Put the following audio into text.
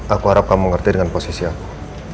aku harap kamu ngerti dengan posisi aku